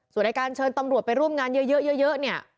ส่วนไอ้การเชิญตำรวจไปร่วมงานเยอะเนี่ย